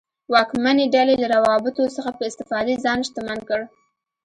واکمنې ډلې له روابطو څخه په استفادې ځان شتمن کړ.